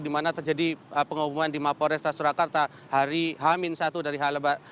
dimana terjadi pengumuman di mapol restas surakarta hari h satu